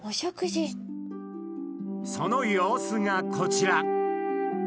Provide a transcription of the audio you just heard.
その様子がこちら！